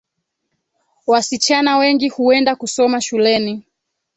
Wasichana wengi huenda kusoma shuleni